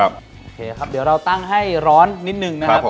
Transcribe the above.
โอเคครับเดี๋ยวเราตั้งให้ร้อนนิดนึงนะครับผม